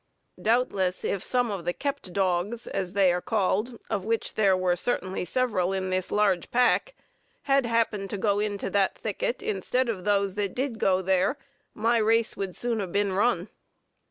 Doubtless if some of the kept dogs, as they are called of which there were certainly several in this large pack had happened to go into that thicket, instead of those that did go there, my race would soon have been run.